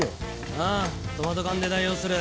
ああトマト缶で代用する。